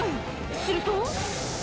すると。